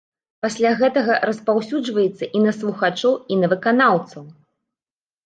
Пасля гэта распаўсюджваецца і на слухачоў і на выканаўцаў.